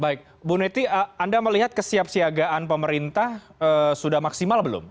baik bu neti anda melihat kesiapsiagaan pemerintah sudah maksimal belum